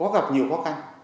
và tuyên bố mỹ